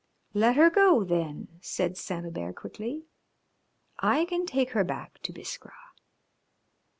"Let her go then," said Saint Hubert quickly. "I can take her back to Biskra."